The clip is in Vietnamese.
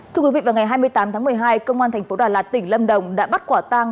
thưa quý vị vào ngày hai mươi tám tháng một mươi hai công an thành phố đà lạt tỉnh lâm đồng đã bắt quả tang